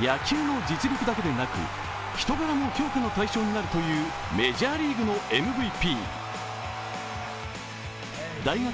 野球の実力だけでなく、人柄も評価の対象になるというメジャーリーグのＭＶＰ。